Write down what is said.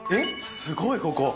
すごい、ここ。